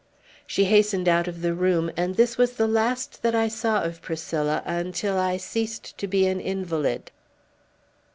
She hastened out of the room, and this was the last that I saw of Priscilla until I ceased to be an invalid.